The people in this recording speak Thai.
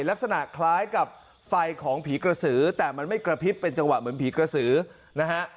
ลักษณะคล้ายกับไฟของผีกระสือแต่มันไม่กระพริบเป็นจังหวะเหมือนผีกระสือนะฮะ